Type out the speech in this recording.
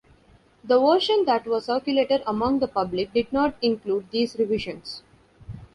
The version that was circulated among the public did not include these revisions.